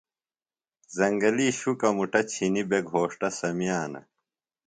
زنگلی شُکہ مُٹہ چِھنیۡ بےۡ گھوݜٹہ سمِیانہ۔